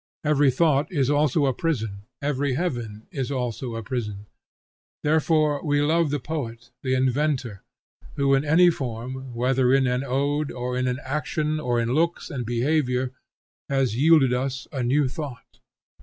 Every thought is also a prison; every heaven is also a prison. Therefore we love the poet, the inventor, who in any form, whether in an ode or in an action or in looks and behavior has yielded us a new thought.